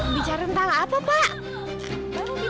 bicara tentang apa pak